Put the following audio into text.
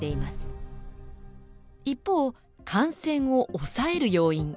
一方感染を抑える要因。